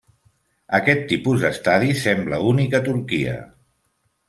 Aquest tipus d'estadi sembla únic a Turquia.